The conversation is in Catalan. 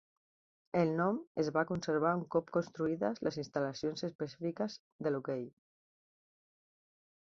El nom es va conservar un cop construïdes les instal·lacions específiques de l'hoquei.